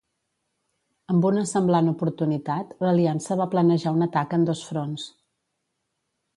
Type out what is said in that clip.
Amb una semblant oportunitat, l'Aliança va planejar un atac en dos fronts.